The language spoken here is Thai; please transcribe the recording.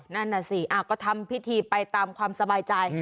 นั่นน่ะสิก็ทำพิธีไปตามความสบายใจ